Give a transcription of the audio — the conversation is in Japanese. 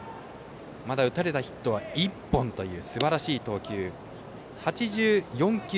まだ打たれたヒットは１本というすばらしい投球。